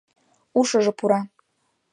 «ушыжо пура»!..